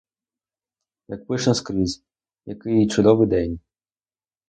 Як пишно скрізь, який чудовий день!